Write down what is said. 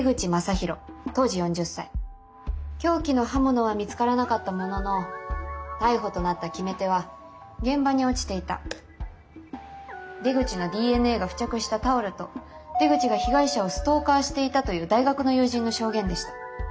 凶器の刃物は見つからなかったものの逮捕となった決め手は現場に落ちていた出口のＤＮＡが付着したタオルと出口が被害者をストーカーしていたという大学の友人の証言でした。